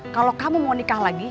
kalau kamu mau nikah lagi